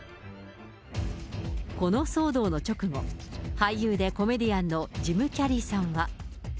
この騒動の直後、俳優でコメディアンのジム・キャリーさんは。